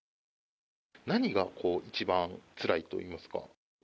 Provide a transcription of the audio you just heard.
何が一番つらいといいますか。